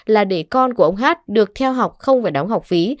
là để con của ông hát được theo học không phải đóng học phí